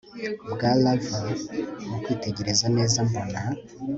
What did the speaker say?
bwa rav mukwitegereza neza mbona